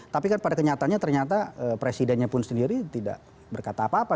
tapi kan pada kenyataannya ternyata presidennya pun sendiri tidak berkata apa apa